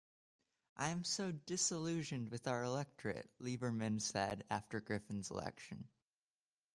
"I am so disillusioned with our electorate," Lieberman said after Griffin's election.